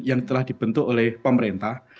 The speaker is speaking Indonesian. yang telah dibentuk oleh pemerintah